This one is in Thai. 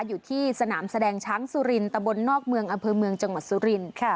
อยู่ที่สนามแสดงช้างสุรินตะบนนอกเมืองอำเภอเมืองจังหวัดสุรินทร์